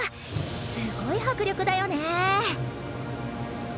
すごい迫力だよね。